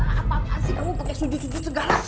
risa apa kasih kamu pake sudu segala